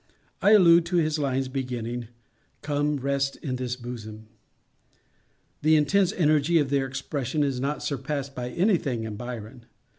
I allude to his lines beginning—"Come, rest in this bosom." The intense energy of their expression is not surpassed by anything in Byron.